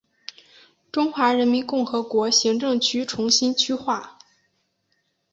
中华人民共和国行政区重新区划。